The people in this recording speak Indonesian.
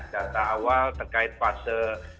data awal terkait fase